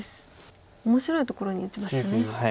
面白いところに打ちましたね。